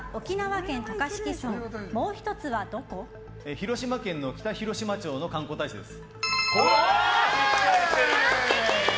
広島県の北広島町の観光大使です。